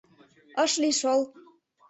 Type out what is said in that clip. Ыш лий шол.